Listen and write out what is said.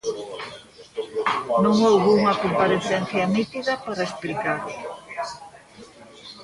Non houbo unha comparecencia nítida para explicar.